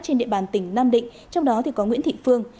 trên địa bàn tỉnh nam định trong đó có nguyễn thị phương